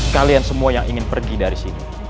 kalian semua yang ingin pergi dari sini